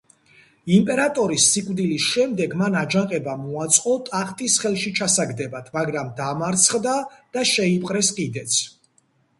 იმპერატორის სიკვდილის შემდეგ მან აჯანყება მოაწყო ტახტის ხელში ჩასაგდებად, მაგრამ დამარცხდა და შეიპყრეს კიდეც.